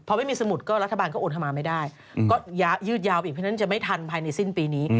พอไม่มีสมุดก็รัฐบาลก็โอนเข้ามาไม่ได้ก็ยืดยาวไปอีกเพราะฉะนั้นจะไม่ทันภายในสิ้นปีนี้